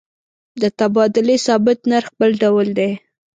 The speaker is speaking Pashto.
د تبادلې ثابت نرخ بل ډول دی.